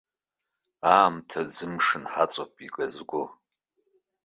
Аамҭа аӡымшын ҳаҵоуп игазго.